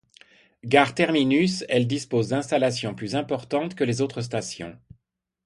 Gare terminus, elle dispose d'installations plus importantes que les autres stations.